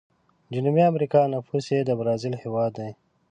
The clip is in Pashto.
جنوبي امريکا نفوس یې د برازیل هیواد دی.